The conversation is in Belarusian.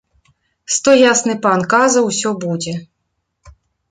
Сто ясны пан каза, усё будзе.